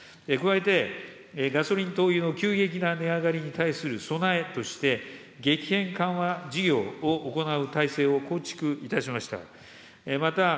加えて、ガソリン、灯油の急激な値上がりに対する備えとして、激変緩和事業を行う体制を構築いたしました。